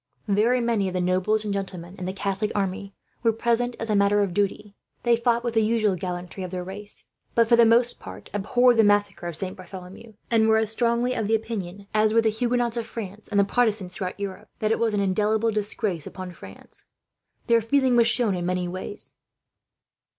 Very many of the nobles and gentlemen in the Catholic army were present, as a matter of duty. They fought with the usual gallantry of their race, but for the most part abhorred the massacre of Saint Bartholomew; and were as strongly of opinion as were the Huguenots of France, and the Protestants throughout Europe, that it was an indelible disgrace upon France. Their feeling was shown in many ways.